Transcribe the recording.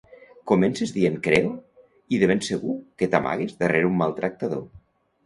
Comences dient "creo" i de ben segur que t'amagues darrere un maltractador.